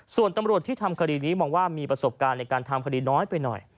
ส่วนตำรวจที่ทำคดีนี้มองว่ามีประสบการณ์ในการทำคดีน้อยไปหน่อย